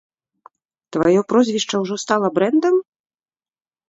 Тваё прозвішча ўжо стала брэндам?